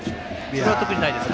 それは特にないですか？